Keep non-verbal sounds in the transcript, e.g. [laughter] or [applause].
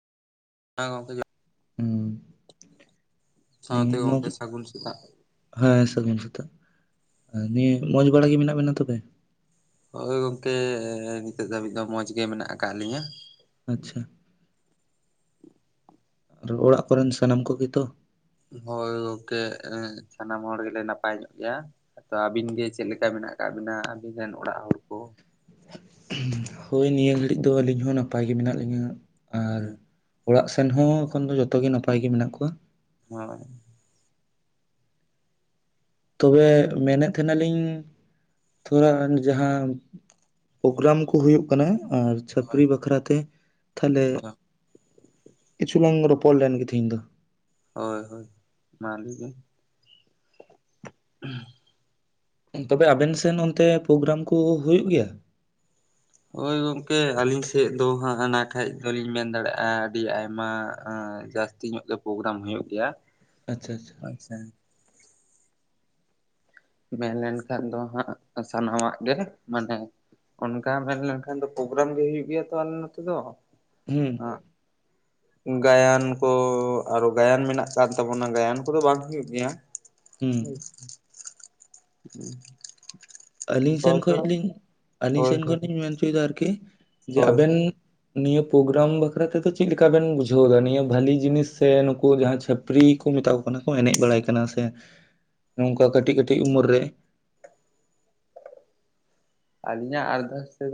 ᱦᱮᱸ ᱜᱚᱝᱠᱮ ᱦᱩᱸ ᱱᱤ ᱥᱟᱶᱛᱮ ᱢᱚᱡᱽ ᱜᱚᱝᱠᱮ ᱥᱟᱹᱜᱩᱱ ᱥᱮᱛᱟᱜ ᱦᱮᱸ ᱥᱟᱹᱜᱩᱱ ᱥᱮᱛᱟᱜ ᱱᱤᱭᱟᱹ ᱢᱚᱸᱡᱽ ᱵᱟᱲᱟ ᱜᱮ ᱢᱮᱱᱟᱜ ᱵᱤᱱᱟ ᱛᱚᱵᱮ? ᱦᱳᱭ ᱜᱚᱝᱠᱮ ᱱᱤᱛᱚᱜ ᱫᱷᱟᱹᱵᱤᱡ ᱫᱚ ᱢᱚᱸᱡᱽ ᱜᱮ ᱢᱮᱱᱟᱜ ᱟᱠᱟᱫ ᱞᱤᱧᱟ᱾ ᱟᱪᱪᱷᱟ᱾ ᱟᱨ ᱚᱲᱟᱜ ᱠᱚᱨᱤᱱ ᱥᱟᱱᱟᱢ ᱠᱚᱜᱮᱛᱚ? ᱦᱳᱭ ᱜᱚᱝᱠᱮ ᱥᱟᱱᱟᱢ ᱦᱚᱲ ᱜᱮᱞᱮ ᱱᱟᱯᱟᱭ ᱧᱚᱜ ᱜᱮᱭᱟ᱾ ᱟᱫᱚ ᱟᱹᱵᱤᱱ ᱜᱮ ᱪᱮᱫ ᱞᱮᱠᱟ ᱢᱮᱱᱟᱜ ᱟᱠᱟᱫ ᱵᱤᱱᱟ ᱟᱵᱤᱱ ᱨᱤᱱ ᱚᱲᱟᱜ ᱦᱚᱲ ᱠᱚ? ᱦᱚᱭ ᱱᱤᱭᱟᱹ ᱜᱷᱟᱹᱲᱤᱡ ᱫᱚ ᱟᱹᱞᱤᱧ ᱦᱚᱸ ᱱᱟᱯᱟᱭ ᱜᱮ ᱢᱮᱱᱟᱜ ᱞᱤᱧᱟ᱾ ᱦᱩᱸ᱾ ᱚᱲᱟᱜ ᱥᱮᱱ ᱦᱚᱸ ᱮᱠᱷᱚᱱ ᱫᱚ ᱡᱚᱛᱚ ᱜᱮ ᱱᱟᱯᱟᱭ ᱜᱮ ᱢᱮᱱᱟᱜ ᱠᱚᱣᱟ᱾ ᱦᱚᱸ᱾ ᱛᱚᱵᱮ ᱢᱮᱱᱮᱫ ᱛᱟᱦᱮᱸᱱᱟᱞᱤᱧ ᱛᱷᱚᱲᱟ ᱡᱟᱦᱟᱸ ᱯᱨᱚᱜᱨᱟᱢ ᱠᱚ ᱦᱩᱭᱩᱜ ᱠᱟᱱᱟ ᱟᱨ ᱪᱟᱹᱯᱨᱤ ᱵᱟᱠᱷᱨᱟ ᱛᱮ ᱛᱟᱦᱞᱮ ᱦᱳᱭ ᱠᱤᱪᱷᱩ ᱞᱟᱝ ᱨᱚᱯᱚᱲ ᱞᱮᱱ ᱜᱮ ᱛᱮᱦᱤᱧ ᱫᱚ ᱾ ᱦᱚᱭ ᱦᱚᱭ ᱢᱟ ᱞᱟᱹᱭ ᱵᱤᱱ᱾ ᱛᱚᱵᱮ ᱟᱵᱮᱱ ᱥᱮᱫ ᱚᱱᱛᱮ ᱯᱨᱚᱜᱨᱟᱢ ᱠᱚ ᱦᱩᱭᱩᱜ ᱜᱮᱭᱟ? ᱦᱳᱭ ᱜᱚᱝᱠᱮ ᱾ ᱟᱹᱞᱤᱧ ᱥᱮᱫ ᱫᱚ ᱦᱟᱸᱜ ᱚᱱᱟ ᱠᱷᱟᱡ ᱫᱚᱞᱤᱧ ᱢᱮᱱ ᱫᱟᱲᱮᱭᱟᱜᱼᱟ ᱟᱹᱰᱤ ᱟᱭᱢᱟ ᱡᱟᱹᱥ ᱛᱤᱱᱟ. ᱜ ᱧᱚᱜ ᱜᱮ ᱯᱨᱚᱜᱨᱟᱢ ᱦᱩᱭᱩᱜ ᱜᱮᱭᱟ ᱾ ᱟᱪᱪᱷᱟᱼᱟᱪᱪᱷᱟ ᱾ ᱟᱪᱪᱷᱟ ᱾ ᱢᱮᱱ ᱞᱮᱱᱠᱷᱟᱱ ᱫᱚ ᱦᱟᱸᱜ ᱥᱟᱱᱟᱢᱟᱜ ᱜᱮ ᱢᱟᱱᱮ ᱚᱱᱠᱟ ᱢᱮᱱ ᱞᱮᱱᱠᱷᱟᱱ ᱫᱚ ᱯᱨᱚᱜᱨᱟᱢ ᱜᱮ ᱦᱩᱭᱩᱜ ᱜᱮᱭᱟ ᱛᱚ ᱟᱞᱮ ᱱᱚᱛᱮ ᱫᱚ ᱾ ᱦᱩᱸ᱾ ᱜᱟᱭᱟᱱ ᱠᱚ ᱟᱨᱚ ᱜᱟᱭᱟᱱ ᱢᱮᱱᱟᱜ ᱠᱟᱫ ᱛᱟᱵᱚᱱᱟ᱾ ᱜᱟᱭᱟᱱ ᱠᱚᱫᱚ ᱵᱟᱝ ᱦᱩᱭᱩᱜ ᱜᱮᱭᱟ᱾ ᱦᱩᱸ [unintelligible] ᱟᱹᱞᱤᱧ ᱥᱮᱱ ᱦᱳᱭ ᱠᱷᱚᱡᱞᱤᱧ ᱟᱹᱞᱤᱧ ᱦᱳᱭ ᱥᱮᱱ ᱠᱷᱚᱱ ᱞᱤᱧ ᱢᱮᱱ ᱦᱚᱪᱚᱭᱮᱫᱟ ᱟᱨᱠᱤ ᱡᱮ ᱦᱳᱭ ᱟᱵᱤᱱ ᱱᱤᱭᱟᱹ ᱯᱨᱳᱚᱜᱨᱟᱢ ᱵᱟᱠᱷᱨᱟ ᱛᱮᱫᱚ ᱪᱮᱫ ᱞᱮᱠᱟ ᱵᱮᱱ ᱵᱩᱡᱷᱟᱹᱣ ᱮᱫᱟ ᱱᱤᱭᱟᱹ ᱵᱷᱟ. ᱞᱤ ᱡᱤᱱᱤᱥ ᱥᱮ ᱱᱩᱠᱩ ᱡᱟᱦᱟᱸ ᱪᱷᱟ. ᱯ ᱯᱷᱟ. ᱯᱨᱤ ᱠᱚ ᱢᱮᱛᱟ ᱠᱚ ᱠᱟᱱᱟ ᱠᱚ ᱮᱱᱮᱡ ᱵᱟᱲᱟᱭ ᱠᱟᱱᱟ ᱥᱮ ᱱᱚᱝᱠᱟ ᱠᱟᱹᱴᱤᱡ ᱠᱟᱹᱴᱤᱡ ᱩᱢᱮᱨ ᱨᱮ? ᱟᱹᱞᱤᱧᱟᱜ ᱟᱨᱫᱟᱥ ᱛᱮᱫᱚ